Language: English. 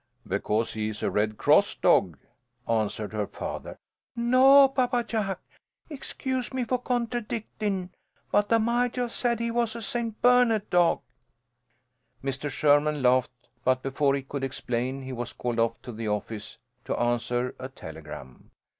"Because he is a Red Cross dog," answered her father. "No, Papa Jack. Excuse me for contradictin', but the Majah said he was a St. Bernard dog." Mr. Sherman laughed, but before he could explain he was called to the office to answer a telegram.